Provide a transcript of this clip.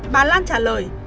bà lan trả lời